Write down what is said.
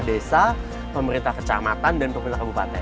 desa pemerintah kecamatan dan pemerintah kabupaten